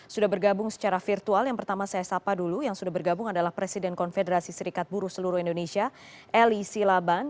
sudah bergabung secara virtual yang pertama saya sapa dulu yang sudah bergabung adalah presiden konfederasi serikat buruh seluruh indonesia eli silaban